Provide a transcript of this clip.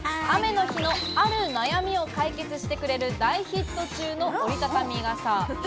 雨の日のある悩みを解決してくれる大ヒット中の折り畳み傘。